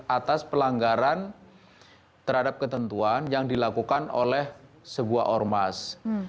atas pelanggaran terhadap ketentuan yang dilakukan oleh sebuah ormas